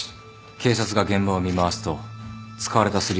警察が現場を見回すと使われたスリッパは６足。